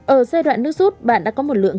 ở giai đoạn nước rút bạn đã có một lượng